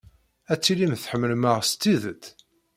Ad tilim tḥemmlem-aɣ s tidet.